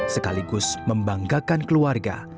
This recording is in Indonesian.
sekaligus membanggakan keluarga